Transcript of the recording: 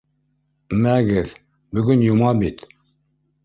— Мәгеҙ, бөгөн йома бит!